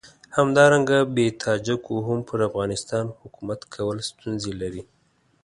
همدارنګه بې تاجکو هم پر افغانستان حکومت کول ستونزې لري.